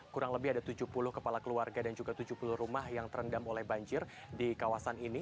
kurang lebih ada tujuh puluh kepala keluarga dan juga tujuh puluh rumah yang terendam oleh banjir di kawasan ini